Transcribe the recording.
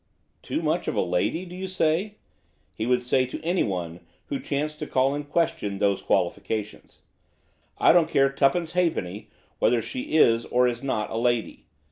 "Too much of a lady, do you say?" he would say to anyone who chanced to call in question those qualifications. "I don't care twopence halfpenny whether she is or is not a lady.